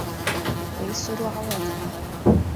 وَيَسْتُرُ عَوْرَتَك